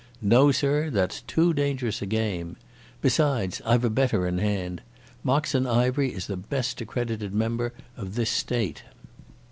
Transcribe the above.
No, sir, that's too dangerous a game! Besides, I've a better in hand, Moxon Ivery is the best accredited member of this State.